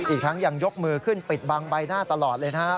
อีกทั้งยังยกมือขึ้นปิดบังใบหน้าตลอดเลยนะครับ